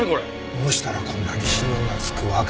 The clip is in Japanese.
どうしたらこんなに指紋が付くわけ？